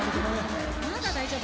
まだ大丈夫。